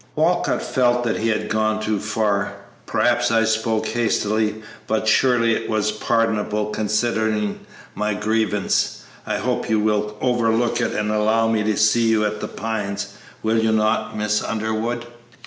Walcott felt that he had gone too far. "Perhaps I spoke hastily, but surely it was pardonable considering my grievance. I hope you will overlook it and allow me to see you at The Pines, will you not, Miss Underwood?"